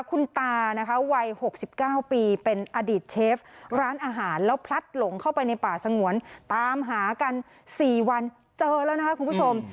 คุณตานะคะวัย๖๙ปีเป็นอดีตเชฟร้านอาหารแล้วพลัดหลงเข้าไปในป่าสงวนตามหากัน๔วันเจอแล้วนะคะคุณผู้ชม